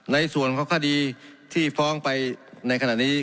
ในส่วนของคดีที่ฟ้องไปในขณะนี้